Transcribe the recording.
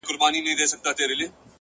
د ژوند رنګونه له لیدلوري بدلېږي.!